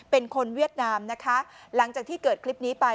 เวียดนามนะคะหลังจากที่เกิดคลิปนี้ไป